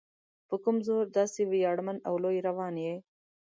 په کوم زور داسې ویاړمن او لوی روان یې؟